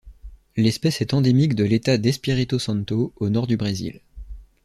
L'espèce est endémique de l'État d'Espírito Santo au nord du Brésil.